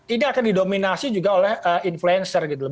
ini akan didominasi juga oleh influencer gitu loh